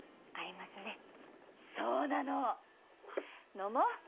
飲もう！